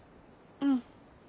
うん。